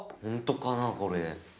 ほんとかなこれ。